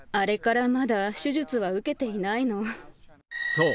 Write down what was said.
そう！